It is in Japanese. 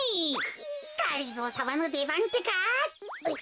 がりぞーさまのでばんってか。